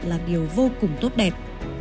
là điều vô cùng tốt đẹp